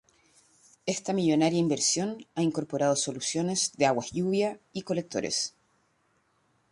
Esta millonaria inversión ha incorporado soluciones de aguas lluvia y colectores.